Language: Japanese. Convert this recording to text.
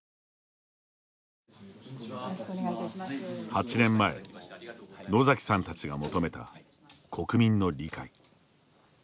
８年前、野崎さんたちが求めた国民の理解。